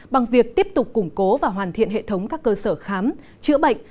bằng việc tiếp tục củng cố và hoàn thiện hệ thống các cơ sở khám chữa bệnh